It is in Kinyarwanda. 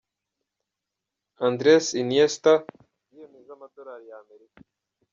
Andreas Iniesta- Miliyoni z'amadolari ya Amerika.